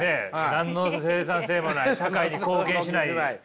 何の生産性もない社会に貢献しないハハハ。